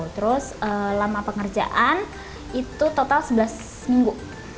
terus lama pengerjaan itu total sebelas minggu